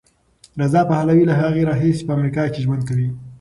رضا پهلوي له هغې راهیسې په امریکا کې ژوند کوي.